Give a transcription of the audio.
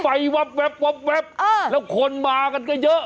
ก็นั่นแหละสิเป็นไฟวับวับวับแล้วคนมากันก็เยอะ